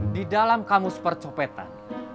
di dalam kamus percopetan